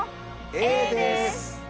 Ａです！